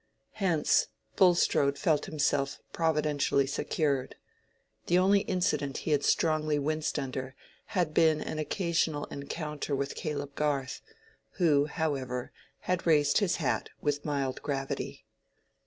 Hence Bulstrode felt himself providentially secured. The only incident he had strongly winced under had been an occasional encounter with Caleb Garth, who, however, had raised his hat with mild gravity.